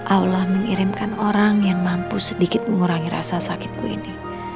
allah mengirimkan orang yang mampu sedikit mengurangi rasa sakitku ini